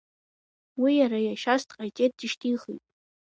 Уи иара иашьас дҟаиҵеит дышьҭихит.